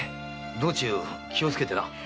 道中気をつけてな。